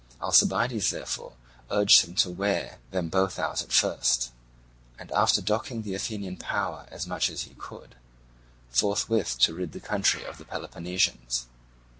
Alcibiades therefore urged him to wear them both out at first, and, after docking the Athenian power as much as he could, forthwith to rid the country of the Peloponnesians.